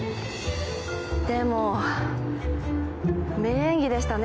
でも名演技でしたね